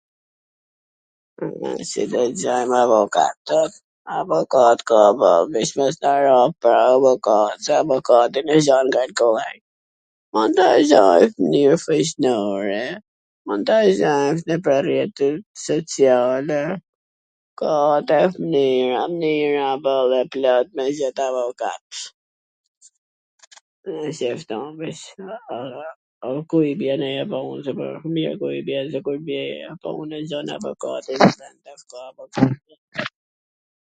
si do gjejm na avokat ... avokat ka... avokatin e gjen kaq kollaj ... m an njofjesh fisnore, m an rrjetesh sociale, ka dhe mnyra plot me gjet avokat